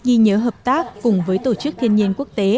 ghi nhớ hợp tác cùng với tổ chức thiên nhiên quốc tế